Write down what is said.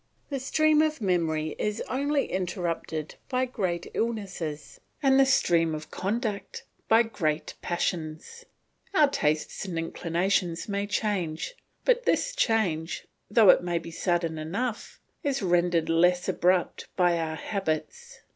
The stream of memory is only interrupted by great illnesses, and the stream of conduct, by great passions. Our tastes and inclinations may change, but this change, though it may be sudden enough, is rendered less abrupt by our habits.